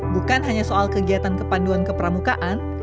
bukan hanya soal kegiatan kepaduan kepramukaan